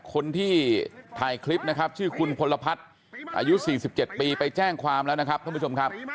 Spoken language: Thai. คนที่ถ่ายคลิปนะครับชื่อคุณพลพัฒน์อายุ๔๗ปีไปแจ้งความแล้วนะครับท่านผู้ชมครับ